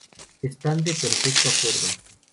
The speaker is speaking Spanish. Están de perfecto acuerdo.